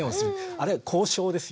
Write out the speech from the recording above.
あれは交渉ですよね。